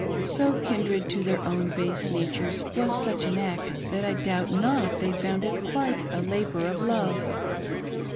So kindred to their own base natures was such an act that I doubt not they found it quite a labor of lov«.